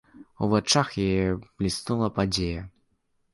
У вачах яе бліснула падзея.